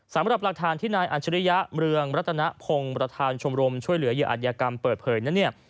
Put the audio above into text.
สำหรับปรากฐานที่นายอัญชริยะเรืองรัตนพงศ์ประธานชมรมช่วยเหลือเยอะอันยากรรมเปิดเผย